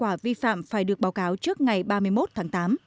các hậu quả vi phạm phải được báo cáo trước ngày ba mươi một tháng tám